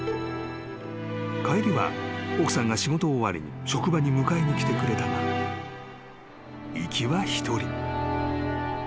［帰りは奥さんが仕事終わりに職場に迎えに来てくれたが行きは一人］